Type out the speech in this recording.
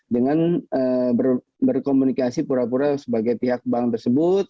dengan berkomunikasi pura pura sebagai pihak bank tersebut